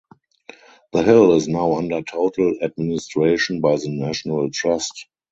The hill is now under total administration by the National Trust.